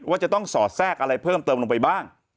ว่าจะต้องสอดแทรกอะไรเพิ่มเติมลงไปบ้าง